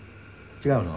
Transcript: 違うの？